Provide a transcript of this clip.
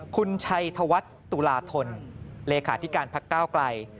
คุณชัยธวัฒน์ตุลาธนเลขาธิการพักก้าวไกล